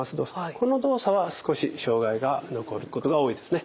この動作は少し障害が残ることが多いですね。